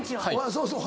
そうそう。